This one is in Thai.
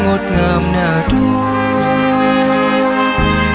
ฉันงามทัศน์ทิวเคทฟงดงามหนาดุ